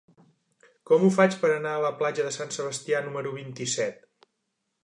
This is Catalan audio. Com ho faig per anar a la platja Sant Sebastià número vint-i-set?